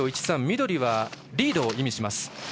緑はリードを意味します。